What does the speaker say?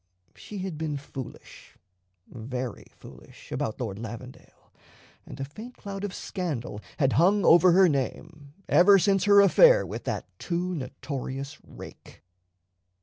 She had been foolish, very foolish, about Lord Lavendale, and a faint cloud of scandal had hung over her name ever since her affair with that too notorious rake.